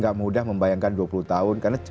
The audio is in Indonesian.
gak mudah membayangkan dua puluh tahun karena